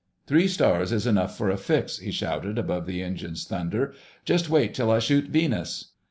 "Three stars is enough for a fix," he shouted above the engines' thunder. "Just wait till I shoot Venus."